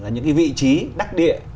những cái vị trí đắc địa